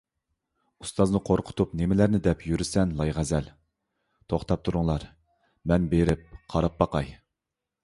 ئۇستازنى قورقۇتۇپ نېمىلەرنى دەپ يۈرىسەن، لايغەزەل! توختاپ تۇرۇڭلار، مەن بېرىپ قاراپ باقاي.